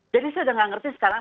jadi saya tidak mengerti sekarang